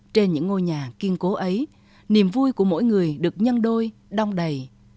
trên những ngôi nhà kiên cố ấy niềm vui của mỗi người được nhân đôi đong đầy